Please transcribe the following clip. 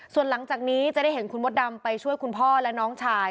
ส่วนหลังจากนี้จะได้เห็นคุณมดดำไปช่วยคุณพ่อและน้องชาย